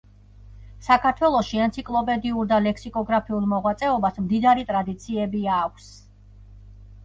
საქართველოში ენციკლოპედიურ და ლექსიკოგრაფიულ მოღვაწეობას მდიდარი ტრადიციები აქვს.